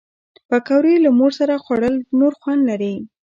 پکورې له مور سره خوړل نور خوند لري